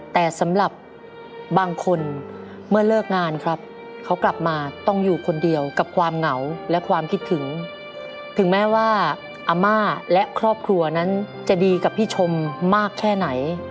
ถึงแม้ว่าอาม่าและครอบครัวนั้นจะดีกับพี่ชมมากแค่ไหน